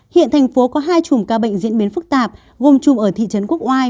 hiện thành phố có hai chùm ca bệnh diễn biến phức tạp gồm chung ở thị trấn quốc oai